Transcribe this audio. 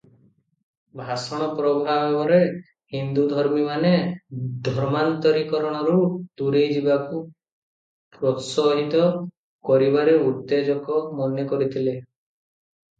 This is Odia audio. ଭାଷଣ ପ୍ରଭାବରେ ହିନ୍ଦୁ ଧର୍ମୀମାନେ ଧର୍ମାନ୍ତରୀକରଣରୁ ଦୂରେଇ ଯିବାକୁ ପ୍ରୋତ୍ସାହିତ କରିବାରେ ଉତ୍ତେଜକ ମନେକରିଥିଲେ ।